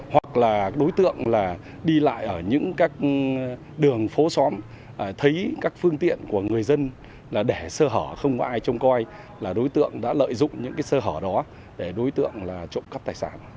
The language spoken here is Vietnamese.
hoặc là đối tượng đi lại ở những các đường phố xóm thấy các phương tiện của người dân là để sơ hở không có ai trông coi là đối tượng đã lợi dụng những cái sơ hở đó để đối tượng trộm cắp tài sản